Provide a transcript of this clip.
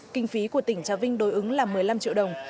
kinh phí của tỉnh trà vinh đối ứng là một mươi năm triệu đồng